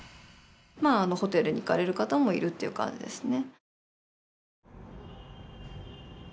まあホテルに行かれる方もいるっていう感じですね。